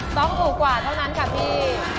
ต้องถูกกว่าเท่านั้นค่ะพี่